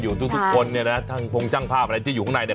อยู่ทุกทุกคนเนี้ยนะทั้งพงจั้งภาพอะไรที่อยู่ข้างนอกเนี้ย